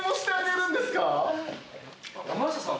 山下さん